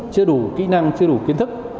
chưa đủ kỹ năng chưa đủ kiến thức